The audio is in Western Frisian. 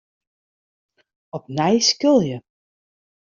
Opnij skilje.